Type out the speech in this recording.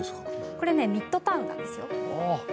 これミッドタウンなんですよ。